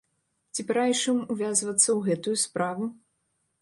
Ці параіш ім увязвацца ў гэтую справу?